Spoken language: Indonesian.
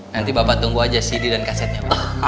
nanti bapak tunggu aja cd dan kasetnya